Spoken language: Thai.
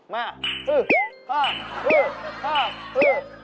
มาฟื้อฟ่าฟื้อฟ่าฟื้อ